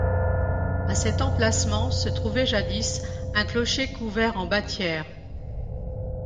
À cet emplacement se trouvait jadis un clocher couvert en bâtière.